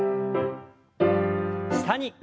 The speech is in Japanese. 下に。